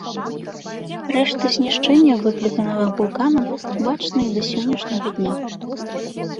Рэшты знішчэння, выкліканага вулканам, бачны і да сённяшняга дня.